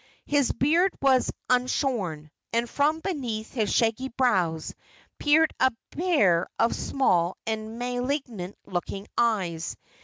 His beard was unshorn, and from beneath his shaggy brows peered a pair of small and malignant looking eyes.